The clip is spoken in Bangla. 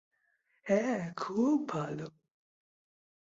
হ্যাঁ খুব ভালো।